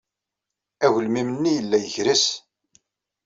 Agelmim-nni yella yegres.